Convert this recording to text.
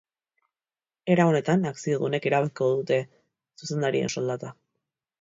Era honetan, akziodunek erabakiko dute zuzendarien soldata.